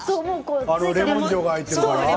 レモン塩が入っているから？